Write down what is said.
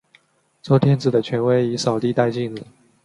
周天子的权威已扫地殆尽了。